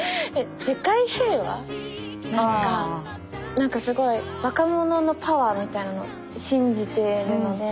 何かすごい若者のパワーみたいなの信じてるので。